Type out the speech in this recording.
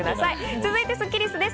続いてスッキりすです。